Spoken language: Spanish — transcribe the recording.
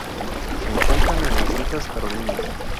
Se encuentran en las Islas Carolinas.